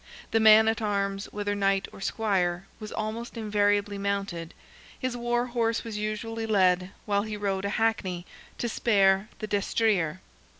The man at arms, whether Knight or Squire, was almost invariably mounted; his war horse was usually led, while he rode a hackney, to spare the destrier.